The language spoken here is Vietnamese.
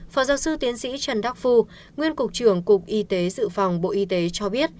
phó giáo sư tiến sĩ trần đắc phu nguyên cục trưởng cục y tế dự phòng bộ y tế cho biết